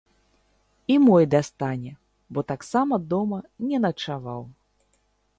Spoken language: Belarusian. І мой дастане, бо таксама дома не начаваў.